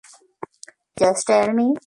Just tell me.